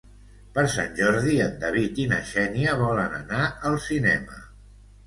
Per Sant Jordi en David i na Xènia volen anar al cinema.